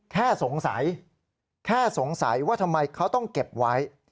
แค่สงสัยแค่สงสัยว่าทำไมเขาต้องเก็บไว้